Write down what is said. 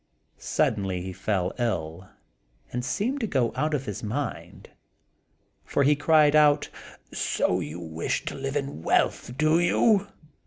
Suddenly he fell ill, and seemed to go out of his mind; for he cried out, "So you wish to live in wealth, do you?"